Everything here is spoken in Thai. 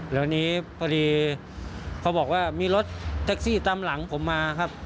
แล้วนี้พอดีเขาบอกว่ามีรถแท็กซี่ตามหลังผมมาครับ